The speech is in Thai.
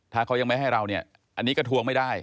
ถ้าเขายังไม่ให้เราเนี่ยอันนี้ก็ทวงไม่ได้